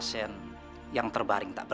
saya juga ingin mencari saskia